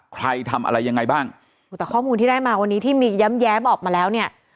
ใครทำอะไรยังไงบ้างแต่ข้อมูลที่ได้มาวันนี้ที่มีแย้มแย้มออกมาแล้วเนี่ย